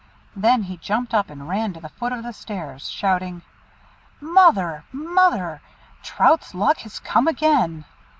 Then he jumped up and ran to the foot of the stairs, shouting, "Mother! mother! Trout's luck has come again."